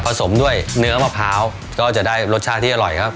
สมด้วยเนื้อมะพร้าวก็จะได้รสชาติที่อร่อยครับ